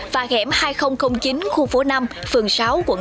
và hẻm hai nghìn chín khu phố năm phường sáu quận tám